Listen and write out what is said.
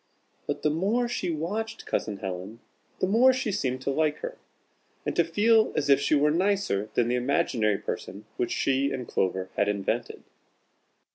But the more she watched Cousin Helen the more she seemed to like her, and to feel as if she were nicer than the imaginary person which she and Clover had invented.